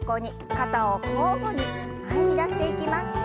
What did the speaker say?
肩を交互に前に出していきます。